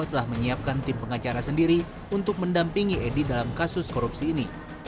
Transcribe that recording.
telah menyiapkan tim pengacara sendiri untuk mendampingi edi dalam kasus korupsi ini